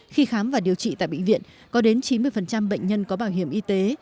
khi khám và điều trị tại bệnh viện có đến chín mươi bệnh nhân có bảo hiểm y tế